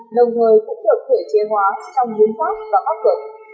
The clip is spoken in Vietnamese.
lồng người cũng được thể chế hóa trong diễn pháp và pháp luật